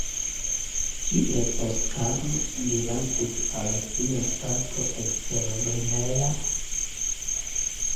Kiel Oskaro rilatis al sia stato eksterlerneja?